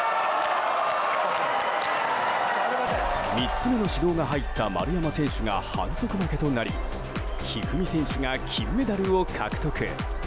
３つ目の指導が入った丸山選手が反則負けとなり一二三選手が金メダルを獲得。